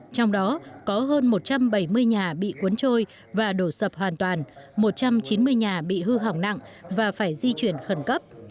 trong đó có hơn một trăm bảy mươi nhà bị cuốn trôi và đổ sập hoàn toàn một trăm chín mươi nhà bị hư hỏng nặng và phải di chuyển khẩn cấp